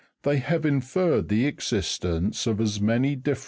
259), they have inferred the existence of as many different fig.